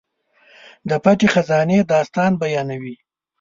د پټې خزانې داستان بیانوي.